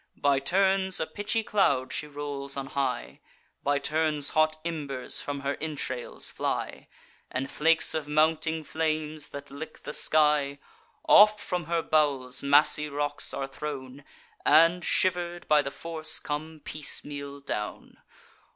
By turns a pitchy cloud she rolls on high; By turns hot embers from her entrails fly, And flakes of mounting flames, that lick the sky. Oft from her bowels massy rocks are thrown, And, shiver'd by the force, come piecemeal down.